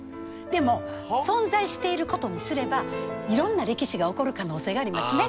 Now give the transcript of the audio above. でも存在していることにすればいろんな歴史が起こる可能性がありますね。